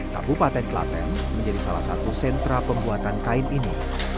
kabupaten klaten menjadi salah satu sentra pembuatan kain ini